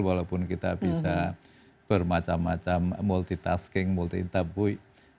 walaupun kita bisa bermacam macam multitasking multitabui